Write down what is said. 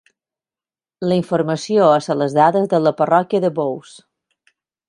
La informació és a les dades de la parròquia de Bowes.